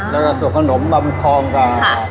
แล้วก็ส่วนขนมบำคองกับ